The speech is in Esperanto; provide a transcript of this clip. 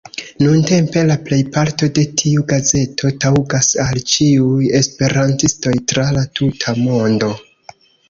Nuntempe la plejparto de tiu gazeto taŭgas al ĉiuj esperantistoj tra la tuta mondo.